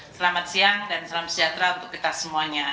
selamat siang dan salam sejahtera untuk kita semuanya